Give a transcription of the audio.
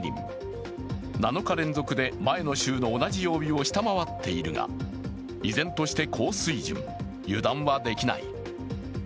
７日連続で前の週の同じ曜日を下回っているが依然として高水準、油断はできない。